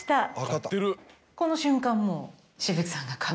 この瞬間もう。